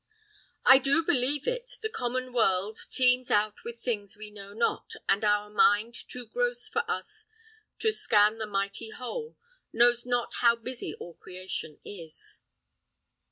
I do believe it: the common world Teems out with things we know not; and our mind, Too gross for us to scan the mighty whole, Knows not how busy all creation is.